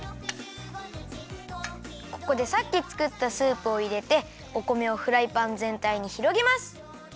ここでさっきつくったスープをいれてお米をフライパンぜんたいにひろげます。